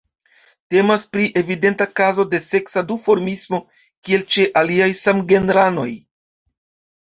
Temas pri evidenta kazo de seksa duformismo, kiel ĉe aliaj samgenranoj.